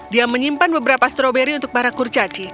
dia menyimpan beberapa stroberi untuk para kurcaci